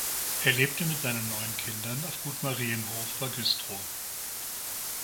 Er lebte mit seinen neun Kindern auf Gut Marienhof bei Güstrow.